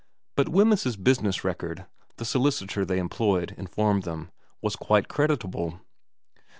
But Wemyss's business record, the solicitor they employed informed them, was quite creditable.